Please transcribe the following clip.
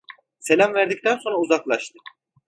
Selam verdikten sonra uzaklaştı.